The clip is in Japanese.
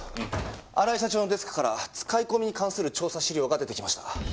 荒井社長のデスクから使い込みに関する調査資料が出てきました。